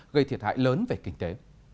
gây thiệt hại lớn về kinh tế